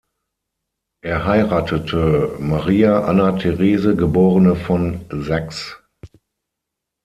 Er heiratete Maria Anna Therese geborene von Sachs.